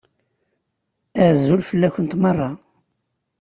Azul fell-akent meṛṛa.